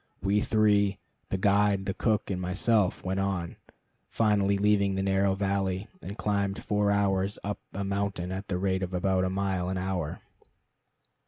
We three, the guide, the cook, and myself, went on, finally leaving the narrow valley, and climbing four hours up a mountain at the rate of about a mile an hour.